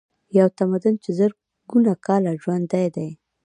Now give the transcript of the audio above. یو تمدن چې زرګونه کاله ژوندی دی.